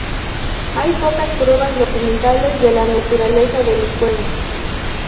Hay pocas pruebas documentales de la naturaleza de los juegos.